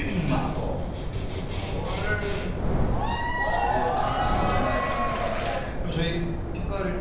それを感じさせない感じがね。